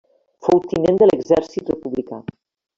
Fou tinent de l'exèrcit republicà.